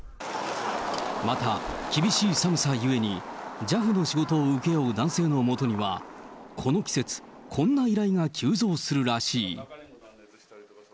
また、厳しい寒さゆえに、ＪＡＦの仕事を請け負う男性のもとにはこの季節、こんな依頼が急増するらしい。